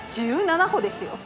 １７歩ですよ。